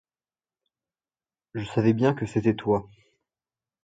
Je savais bien que c’était toi!